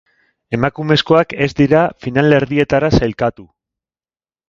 Emakumezkoak ez dira finalerdietara sailkatu.